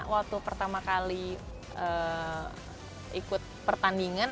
waktu pertama kali ikut pertandingan